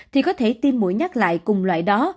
thì có thể tiêm mũi nhắc lại cùng loại đó